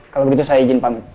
kalau begitu saya izin pamit